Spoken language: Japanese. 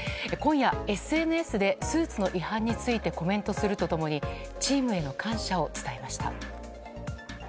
今夜、ＳＮＳでスーツの違反についてコメントするとともに、チームへの感謝を伝えました。